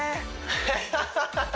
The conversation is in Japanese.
アハハハ